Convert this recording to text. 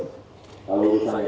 lulusan yang lebih besar yang media